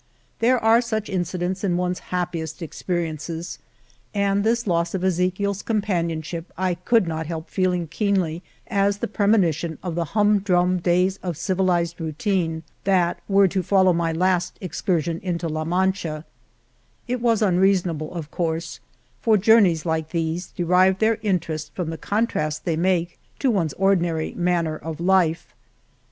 There are such incidents in one's happiest experiences, and this loss of Eze chieFs companionship I could not help feel ing keenly as the premonition of the hum drum days of civilized routine that were to follow my last excursion into La Mancha, It was unreasonable, of course, for journeys like these derive their interest from the con trast they make to one's ordinary manner of life.